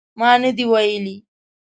ما نه دي ویلي